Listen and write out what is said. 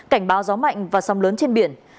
cảnh báo gió mạnh và sóng lớn trên biển